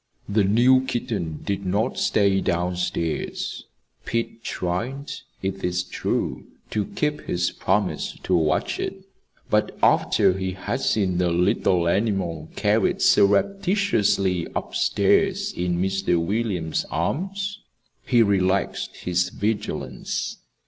The new kitten did not stay down stairs. Pete tried, it is true, to keep his promise to watch it; but after he had seen the little animal carried surreptitiously up stairs in Mr. William's arms, he relaxed his vigilance.